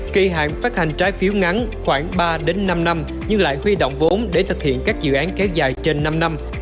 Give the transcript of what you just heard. kỳ hạn phát hành trái phiếu ngắn khoảng ba năm năm nhưng lại huy động vốn để thực hiện các dự án kéo dài trên năm năm